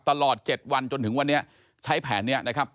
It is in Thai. ตลอด๗วันจนถึงวันนี้ใช้แผนนี้นะครับ